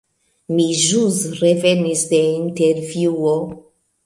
Mi ĵus revenis de intervjuo.